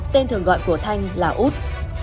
tên thường gọi của thành là út